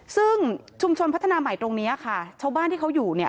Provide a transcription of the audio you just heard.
ซึ่งชุมชนพัฒนาใหม่ตรงนี้ค่ะชาวบ้านที่เขาอยู่เนี่ย